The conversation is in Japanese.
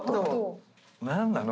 何なの？